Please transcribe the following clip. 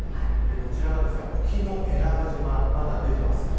こちらが沖永良部島、まだ出ています。